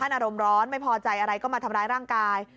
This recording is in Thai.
อารมณ์ร้อนไม่พอใจอะไรก็มาทำร้ายร่างกาย